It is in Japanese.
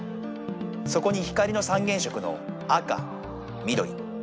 そこに光の三原色の赤緑青。